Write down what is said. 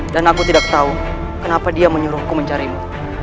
dan aku tidak tahu kenapa dia menyuruhku mencarimu